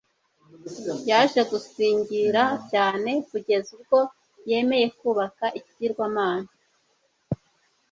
yaje gusigingira cyane kugeza ubwo yemeye kubaka ikigirwamana